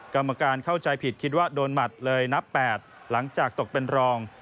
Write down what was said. กรรมการเข้าใจผิดคิดว่าโดนหมัดเลยนับ๘หลังจากตกเป็นรอง